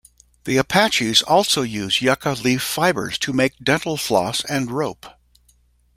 The Apaches also use yucca leaf fibers to make dental floss and rope.